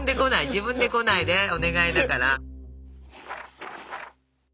自分で来ないでお願いだから。